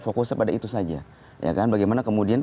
fokusnya pada itu saja bagaimana kemudian